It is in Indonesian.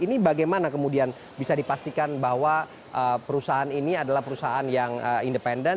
ini bagaimana kemudian bisa dipastikan bahwa perusahaan ini adalah perusahaan yang independen